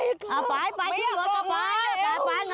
น้ำพาคือเวลาป่ะนะ